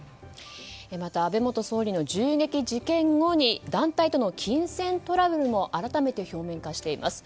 また、安倍元総理の銃撃事件後に団体との金銭トラブルも改めて表面化しています。